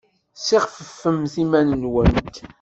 Ssixfefemt iman-nwent!